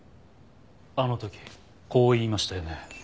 あの時こう言いましたよね。